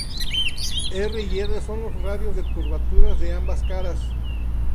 R y R son los radios de curvaturas de ambas caras.